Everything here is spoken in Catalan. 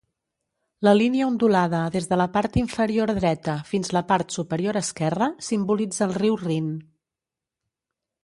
La línia ondulada des de la part inferior dreta fins la part superior esquerra simbolitza el riu Rin.